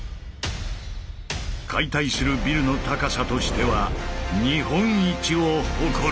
解体するビルの高さとしては日本一を誇る。